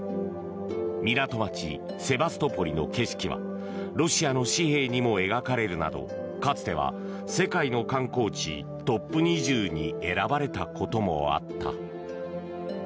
港町セバストポリの景色はロシアの紙幣にも描かれるなどかつては世界の観光地トップ２０に選ばれたこともあった。